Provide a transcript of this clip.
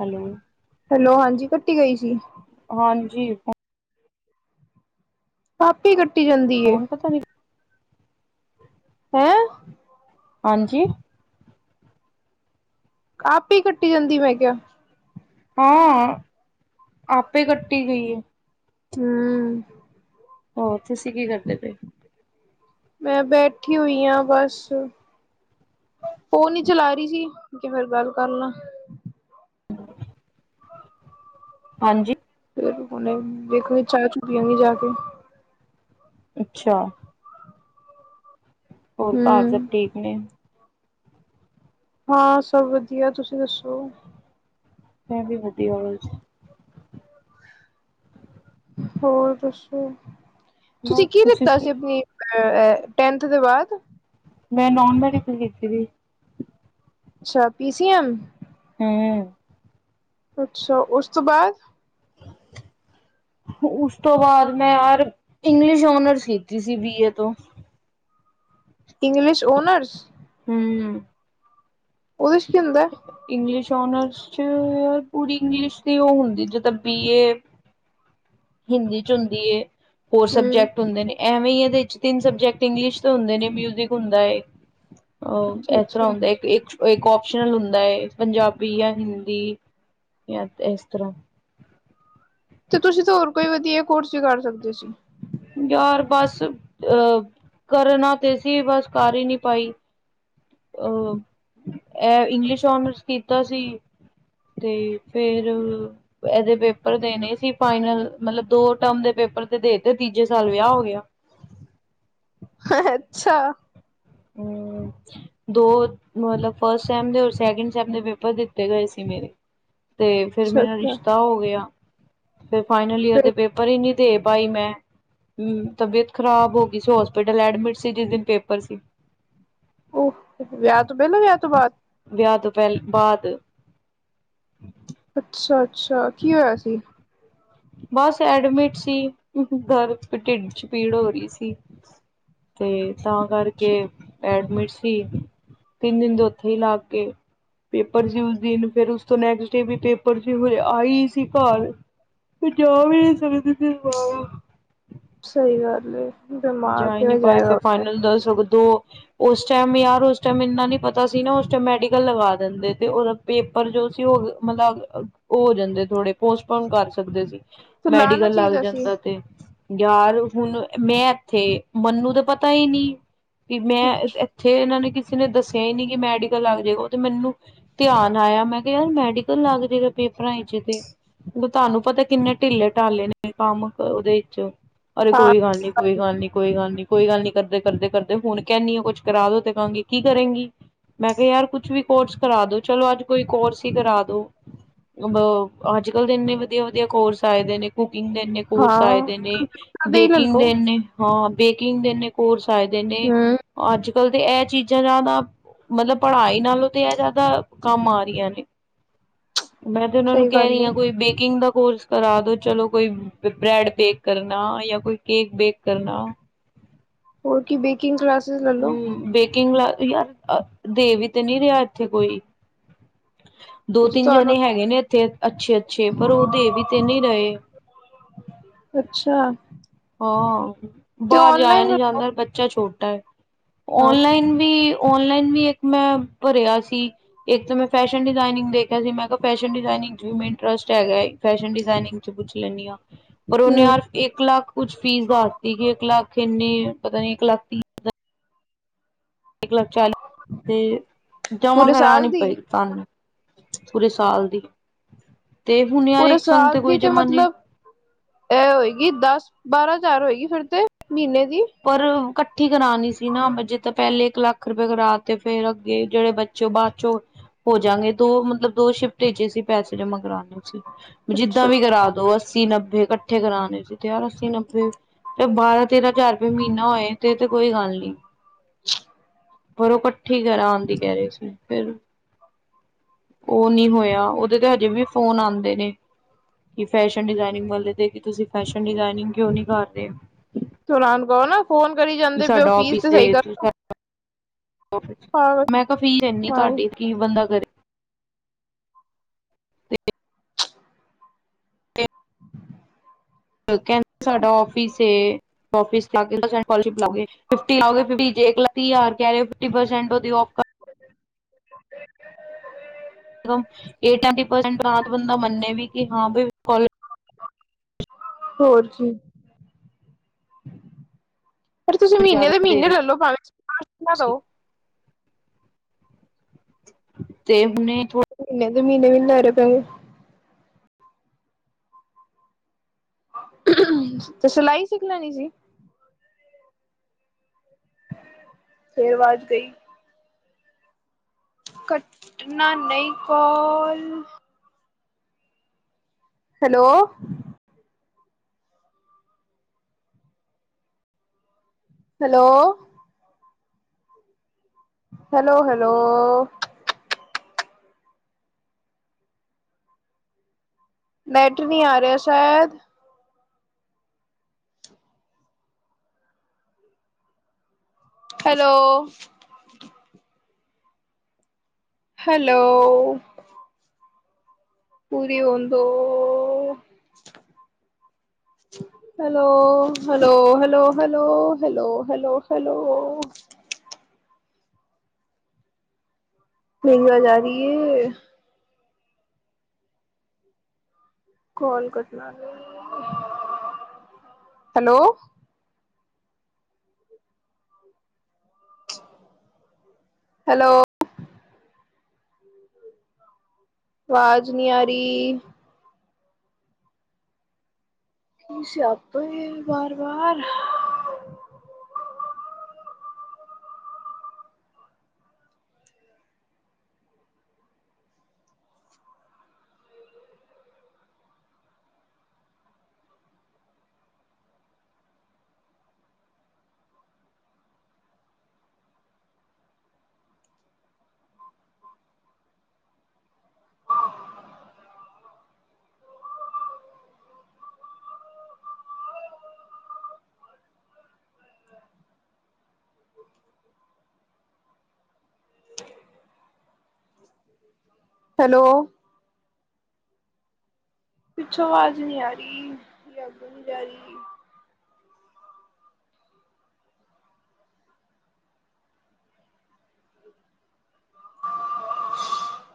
Hello hello, ਹਾਂਜੀ ਕੱਟੀ ਗਈ ਸੀ। ਹਾਂਜੀ। ਆਪੇ ਕੱਟੀ ਜਾਂਦੀ ਏ। ਫੋਨ ਪਤਾ ਨੀ ਹੈਂ। ਹਾਂਜੀ। ਆਪ ਹੀ ਕੱਟੀ ਜਾਂਦੀ ਮੈਂ ਕਿਹਾ। ਹੈ, ਆਪੇ ਕੱਟੀ ਗਈ ਏ। ਹੂ। ਹੋਰ ਤੁਸੀਂ ਕੀ ਕਰਦੇ ਪਏ? ਮੈਂ ਬੈਠੀ ਹੋਈ ਹਾਂ, ਬਸ। ਫੋਨ ਹੀ ਚਲਾ ਰਹੀ ਸੀ, ਕਿਹਾ ਫਿਰ ਗੱਲ ਕਰਲਾਂ। [inaudible] ਹਾਂਜੀ। ਫਿਰ ਹੁਣ ਦੇੇਖੋ ਚਾਹ ਚੁੱਹ ਪੀ ਆਗੀ ਜਾ ਕੇ। ਅੱਛਾ। ਹੋਰ, ਘਰ ਸਭ ਹਮ ਠੀਕ ਨੇ? ਹਾਂ, ਸਭ ਵਧੀਆ ਤੁਸੀਂ ਦੱਸੋ। ਮੈਂ ਵੀ ਵਧੀਆ ਵੀ ਜੀ। ਹੋਰ ਦੱਸੋ? ਤੁਸੀਂ ਕੀ ਲਿਤਾ ਸੀ ਆਪਣੀ ਅ ਟੈਂਨਥ ਦੇ ਬਾਅਦ ਮੈਂ ਨੋਨ-ਮੈਡੀਕਲ ਕੀਤੀ ਸੀ। ਅੱਛਾ, ਪੀ ਸੀ ਐਮ। ਹਮ। ਅੱਛਾ, ਉਸ ਤੋਂ ਬਾਅਦ? ਉਸ ਤੋਂ ਬਾਅਦ, ਮੈਂ, ਯਾਰ, ਇੰਗਲਿਸ਼ ਓਨਰਸ ਕੀਤੀ ਸੀ ਬੀ ਏ ਤੋਂ। English honours? ਹਮ। ਉਹਦੇ ਚ ਕਿ ਹੁੰਦਾ? ਇੰਗਲਿਸ਼ ਓਨਰਸ ਚ ਪੂਰੀ ਇੰਗਲਿਸ਼ ਦੀ ਉਹ ਹੁੰਦੀ, ਜਿੱਦਾਂ ਬੀ ਏ ਹਿੰਦੀ 'ਚ ਹੁੰਦੀ ਏ ਹੋਰ ਹਮ ਸਬਜੈਕਟ ਹੁੰਦੇ ਨੇ। ਐਵੇਂ ਈ ਇਹਦੇ ਚ ਤਿੰਨ ਸਬਜੈਕਟ ਇੰਗਲਿਸ਼ ਦੇ ਹੁੰਦੇ ਨੇ, ਮਿਊਜਿਕ ਹੁੰਦਾ ਏ। ਉਹ ਅੱਛਾ ਏਤਰ੍ਹਾਂ ਅੱਛਾ ਹੁੰਦਾ ਇੱਕ-ਇੱਕ ਓ ਇੱਕ ਓਪਸ਼ਨਲ ਹੁੰਦਾ ਹੈ, ਪੰਜਾਬੀ ਜਾਂ ਹਿੰਦੀ ਜਾਂ ਇਸ ਤਰ੍ਹਾਂ। ਤੇ ਤੁਸੀਂ ਤਾਂ ਹੋਰ ਕੋਈ ਵਧੀਆ ਕੋਰਸ ਵੀ ਕਰ ਸਕਦੇ ਸੀ? ਯਾਰ, ਬਸ ਅਹ ਕਰਨਾ ਤੇ ਸੀ, ਬਸ ਕਰ ਹੀ ਨਹੀ ਪਾਈ! ਅ, ਇਹ ਇੰਗਲਿਸ਼ ਓਨਰਸ ਕੀਤਾ ਸੀ। ਤੇ ਫੇਰ ਇਹਦੇ ਪੇਪਰ ਦੇਣੇ ਈ ਸੀ ਫਾਈਨਲ, ਮਤਲਬ ਦੋ ਟਰਮ ਦੇ ਪੇਪਰ ਤੇ ਦੇਤੇ, ਤੀਜੇ ਸਾਲ ਵਿਆਹ ਹੋ ਗਿਆ! ਹ-ਹ ਅੱਛਾ। ਹਮ। ਦੋ ਮਤਲਬ ਫਸਟ ਸੈਮ ਦੇ ਓਰ ਸੈਕਿੰਡ ਸੈਮ ਦੇ ਪੇਪਰ ਦਿੱਤੇ ਗਏ ਸੀ ਮੇਰੇ। ਤੇ ਫੇਰ ਅੱਛਾ ਮੇਰਾ ਅੱਛਾ ਰਿਸ਼ਤਾ ਹੋ ਗਿਆ, ਫੇਰ ਫਾਈਨਲ ਈਅਰ ਫਿਰ ਦੇ ਪੇਪ ਪਰ ਇਨੀ ਦੇ ਪਾਈ ਮੈਂ। ਹਮ, ਤਬੀਅਤ ਖਰਾਬ ਹੋ ਗਈ ਸੀ, ਹੋਸਪਿਟਲ ਐਡਮਿਟ ਸੀ ਜਿਸ ਦਿਨ ਪੇਪਰ ਸੀ। ਉਹ ਵਿਆਹ ਤੋਂ ਪਹਿਲਾਂ ਵਿਆਹ ਤੋਂ ਬਾਅਦ? ਵਿਆਹ ਤੋਂ ਪਹਿਲ-ਬਾਅਦ। ਅੱਛਾ-ਅੱਛਾ, ਕੀ ਹੋਇਆ ਸੀ? ਬਸ, ਐਡਮਿਟ ਸੀ, ਦਰਦ ਢਿੱਡ ਚ ਪੀੜ ਹੋ ਰਹੀ ਸੀ। ਤੇ ਤਾਂ ਕਰਕੇ ਐਡਮਿਟ ਸੀ, ਤਿੰਨ ਦਿਨ ਦੇ ਉੱਥੇ ਹੀ ਲਾਗ ਗਏ। ਪੇਪਰ ਸੀ ਉਸ ਦਿਨ, ਫਿਰ ਉਸ ਤੋਂ ਨੈਕਸਟ ਡੇ ਵੀ ਪੇਪਰ ਸੀ, ਹਜੇ ਆਈ ਸੀ ਘਰ। ਜਾ ਵੀ ਨੀ ਸਕਦੀ ਸੀ ਬਾਹਰ। ਸਹੀ ਗੱਲ ਏ ਦਿਮਾਗ ਜਾ ਹੀ ਨਹੀਂ ਕਿਵੇਂ ਪਾਈ ਫੇਰ ਜਾਏਗਾ ਫਾਈਨਲ ਦਾ ਸਗੋ ਦੋ ਉਸ ਟਾਈਮ, ਯਾਰ, ਉਸ ਟਾਈਮ ਇੰਨਾ ਨੀ ਪਤਾ ਸੀ ਨਾ, ਉਸ ਟਾਈਮ ਮੈਡੀਕਲ ਲਗਾ ਦਿੰਦੇ ਤੇ ਉਹਦਾ ਪੇਪਰ ਜੋ ਸੀ ਉਹ, ਮਤਲਬ ਓ ਹੋ ਜਾਂਦੇ, ਥੋੜੇ ਪੋਸਟਪੋਨ ਕਰ ਸਕਦੇ ਸੀ। ਤੇ ਲਾਣਾ ਮੈਡੀਕਲ ਲੱਗ ਚਾਹੀਦਾ ਸੀ ਜਾਂਦਾ ਤੇ। ਯਾਰ ਹੁਣ ਮੈਂ ਇੱਥੇ ਮੈਨੂੰ ਤਾਂ ਪਤਾ ਹੀ ਨਹੀ ਵੀ ਮੈਂ ਇੱਥੇ ਇਹਨਾਂ ਨੇ ਕਿਸੇ ਨੇ ਦੱਸਿਆ ਹੀ ਨਹੀ ਕਿ ਮੈਡੀਕਲ ਲੱਗ ਜੇਗਾ, ਉਹ ਤੇ ਮੈਨੂੰ ਧਿਆਨ ਆਇਆ, ਮੈਂ ਕਿਹਾ, ਯਾਰ ਮੈਡੀਕਲ ਲੱਗ ਜੇਗਾ ਪੇਪਰਾਂ 'ਚ ਤੇ ਤੁਹਾਨੂੰ ਪਤਾ ਕਿੰਨੇ ਟਿੱਲੇ-ਟਾਲੇ ਨੇ ਕੰਮ ਉਹਦੇ ਵਿੱਚ ਅਰੇ ਹਾਂ ਕੋਈ ਗੱਲ ਨੀ, ਕੋਈ ਗੱਲ ਨੀ, ਕੋਈ ਗੱਲ ਨੀ। ਕੋਈ ਗੱਲ ਨੀ ਕਰਦੇ, ਕਰਦੇ, ਕਰਦੇ ਹੁਣ ਕਹਿੰਨੀ ਆ ਕੁੱਛ ਕਰਾ ਦੋ ਤੇ ਕਹਾਂਗੇ ਕੀ ਕਰੇਗੀ? ਮੈਂ ਕਿਹਾ, ਯਾਰ, ਕੁਛ ਵੀ ਕੋਰਸ ਕਰਾ ਦੋ, ਚਲੋ ਅੱਜ ਕੋਈ ਕੋਰਸ ਹੀ ਕਰਾ ਦੋ। ਅ ਬ ਅੱਜ-ਕੱਲ ਦੇ ਇੰਨੇ ਵਧੀਆ-ਵਧੀਆ ਕੋਰਸ ਆਏ ਦੇ ਨੇ, ਕੁਕਿੰਗ ਦੇ ਇੰਨੇ ਕੋਰਸ ਆਏ ਹਾਂ ਦੇ ਨੇ, ਕਦੇ ਹੀ ਬੇਕਿੰਗ ਲੈਲੋ ਦੇ ਐਨੇ। ਹਾਂ ਬੇਕਿੰਗ ਦੇ ਏਨੇ ਕੋਰਸ ਆਏ ਦੇ ਨੇ, ਹਮ ਅੱਜ-ਕੱਲ ਤੇ ਐ ਚੀਜ਼ਾਂ ਜਾਦਾ ਮਤਲਬ ਪੜਾਈ ਨਾਲੋਂ ਤੇ ਐ ਜਾਦਾ ਕੰਮ ਆ ਰੀਆਂ ਨੇ। ਮੈਂ ਤੇ ਓਨਾਂ ਨੂੰ ਸਹੀ ਕੈ ਗੱਲ ਰੀ ਏ ਆਂ ਕੋਈ ਬੇ ਕਿੰਗ ਦਾ ਕੋਰਸ ਕਰਾ ਦੋ ਚਲੋ ਕੋਈ ਬੈ ਬ੍ਰੈਡ ਬੇਕ ਕਰਨਾ ਯਾਂ ਕੋਈ ਕੇਕ ਬੇਕ ਕਰਨਾ। ਹੋਰ ਕੀ ਬੇਕਿੰਗ ਕਲਾਸਿਜ਼ ਲੈ ਲੋ। ਕਿੰਗ ਕਲਾਸ ਯਾਰ ਅ ਦੇ ਵੀ ਤੇ ਨੀ ਰਿਆ ਏਥੇ ਕੋਈ। ਉਹ ਦੋ ਚ ਤਿੰਨ ਜਾਨੇ ਤੁਹਾਨੂੰ ਹੈਗੇ ਨੇ ਏਥੇ ਅੱਛੇ-ਅੱਛੇ ਪਰ ਓ ਦੇ ਵੀ ਤੇ ਨੀ ਰਏ। ਅੱਛਾ। ਹਾਂ, ਤੇ ਬਾਰ ਜਾਏਆ ਨੀ ਔਨਲਾਈਨ ਜਾਂਦਾ ਬੱਚਾ ਛੋਟਾ ਐ, ਹਮ ਔਨਲਾਈਨ ਵੀ ਔਨਲਾਈਨ ਵੀ ਇੱਕ ਮੈਂ ਭਰਿਆ ਸੀ ਇੱਕ ਤੇ ਮੈਂ ਫੈਸ਼ਨ ਡਿਜ਼ਾਇਨਿੰਗ ਦੇ ਕਿਆ ਸੀ ਮੈਂ ਕਿਆ ਫੈਸ਼ਨ ਡਿਜ਼ਾਏਨਿੰਗ ਚ ਵੀ ਮੈਂ ਇੰਟਰਸਟ ਹੈਗਾ ਏ ਫੈਸ਼ਨ ਡਿਜ਼ਾਏਨਿੰਗ ਚ ਪੁੱਛ ਲੈਨੀ ਆਂ। ਪਰ ਓਨੇ ਯਾਰ ਇੱਕ ਲੱਖ ਕੁਛ ਫੀਸ ਦੱਸਤੀ ਕਿ ਇੱਕ ਲੱਖ ਇੰਨੀ ਪਤਾ ਨੀ ਇੱਕ ਲੱਖ ਤੀ ਇੱਕ ਲੱਖ ਚਾਲੀ ਤੇ ਜਮਾਂ ਪੂਰੇ ਕਰਾਨੀ ਸਾਲ ਦੀ ਪਈ ਸਾਨੂੰ। ਪੂਰੇ ਸਾਲ ਦੀ ਤੇ ਹੁਨ ਯਾਰ ਪੂਰੇ ਇੱਕ ਸੰਗ ਤੇ ਕੋਈ ਜਮਾ ਨੀ ਐ ਹੋਏਗੀ ਦਸ ਬਾਰਾਂ ਹਜ਼ਾਰ ਹੋਏਗੀ ਫਿਰ ਤੇ ਮੀਨੇ ਦੀ? ਪਰ ਕੱਠੀ ਕਰਾਣੀ ਸੀ ਨਾ ਜੇ ਤਾਂ ਪੈਲੇ ਇੱਕ ਲੱਖ ਰੁਪਏ ਕਰਾ ਤੇ ਫੇਰ ਅੱਗੇ ਜੇੜੇ ਬੱ ਬਾਚੋ ਹੋ ਜਾਂਗੇ ਦੋ ਮਤਲਬ ਦੋ ਸ਼ਿਫਟ ਚ ਏ ਸੀ ਪੈਸੇ ਜਮਾ ਕਰਾਨੇ। ਜਿੱਦਾਂ ਅੱਛਾ ਵੀ ਕਰਾ ਅੱਛਾ ਦੋ ਅੱਸੀ-ਨੱਬੇ ਕੱਠੇ ਕਰਾਣੇ ਸੀ ਤੇ ਯਾਰ ਅੱਸੀ-ਨੱਬੇ ਤੇ ਬਾਰਾਂ-ਤੇਰਾਂ ਹਜ਼ਾਰ ਰੁਪਏ ਮੀਨਾ ਹੋਏ ਤੇ ਤੇ ਕੋਈ ਗੱਲ ਨੀ। ਪਰ ਓ ਕੱਠੀ ਕਰਾਨ ਦੀ ਕੈ ਰਏ ਸੀ ਫੇਰ ਓ ਨੀ ਹੋਏਆ ਓਦੇ ਤੇ ਹਜੇ ਵੀ ਫੋਨ ਆਂਦੇ ਨੇ ਕਿ ਫੈਸ਼ਨ ਡਿਜ਼ਾਏਨਿੰਗ ਵਾਲੇ ਦੇ ਕੀ ਤੁਸੀਂ ਫੈਸ਼ਨ ਡਿਜ਼ਾਏਨਿੰਗ ਕਿਉਂ ਨੀ ਕਰਦੇ। ਫੇ ਓਨਾਂ ਨੂੰ ਕਓ ਨਾ ਫੋਨ ਕਰੀ ਕਿ ਜਾਂਦੇ ਪੇ ਓ ਸਾਡਾ ਫੀਸ ਆਫਿਸ ਤੇ ਸਈ ਕਰ ਏ ਦੋ। ਮੈਂ ਕਿਆ ਫੀਸ ਏਨੀ ਹਾਂ ਤੁਆਡੀ ਕੀ ਬੰਦਾ ਕਰੇ। [inaudible] ਤੇ ਓ ਕੈਂਦੇ ਸਾਡਾ ਔਫਿਸ ਏ। ਔਫਿਸ ਲਾ [unintelligible] ਸਕਾਲਰਿਸ਼ਪ ਲਾਓਗੇ ਫਿਫਟੀ ਲਾਓਗੇ ਫਿਫਟੀ ਜੇ ਇੱਕ ਲੱਖ ਤੀ ਹਜ਼ਾਰ ਕੈ ਰੇ ਓ ਫਿਫਟੀ ਪਰਸੈਂਟ ਦੇਓ ਆ [unintelligible] ਤਾਂ ਤੇ ਬੰਦਾ ਮੰਨੇ ਵੀ ਕੇ ਹਾਂ ਬਈ ਸਕਾਲਰ ਹੋਰ ਕੀ। ਪਰ ਤੁਸੀਂ ਮੀਨੇ ਜ਼ਿਆਦਾ ਦੇ ਮੀਨੇ ਰਹੇ ਹੋ ਲੈਲੋ ਭਾਵੇਂ [unintelligible] ਦੋ ਤੁਸੀਂ ਤੇ ਹੁਨੇ ਥੋੜਾ ਮੀਨੇ ਦੇ ਮੀਨੇ ਵੀ ਨੀ ਲੈ ਰੇ ਪੈਹੇ ਤੇ ਸਿਲਾਈ ਸਿੱਖ ਲੈਣੀ ਸੀ। ਫੇਰ ਆਵਾਜ਼ ਗਈ। ਕੱਟਨਾ ਨਈਂ ਕੋਲ। ਹੈਲੋ। ਹੈਲੋ। ਹੈਲੋ-ਹੈਲੋ। ਨੈਟ ਨੀ ਆ ਰਿਆ ਸ਼ੈਦ। ਹੈਲੋ। ਹੈਲੋ। ਪੂਰੀ ਹੋਨ ਦੋ ਹੈਲੋ-ਹੈਲੋ-ਹੈਲੋ-ਹੈਲੋ-ਹੈਲੋ-ਹੈਲੋ-ਹੈਲੋ ਮੇਰੀ ਆਵਾ ਆ ਰੀ ਏ? ਕੌਲ ਕਟਨਾ ਨਈ। ਹੈਲੋ। ਹੈਲੋ। ਵਾਜ ਨੀ ਆ ਰੀ। ਹੂਨ ਸ਼ਿਆਰਤਾਂ ਹੀ ਵਾਰ-ਵਾਰ ਹੈਲੋ। ਪਿੱਛੋਂ ਵਾਜ਼ ਨੀ ਆ ਰੀ ਯਾਂ ਅੱਗੋਂ ਨੀ ਜਾ ਯੀ। [unintelligible]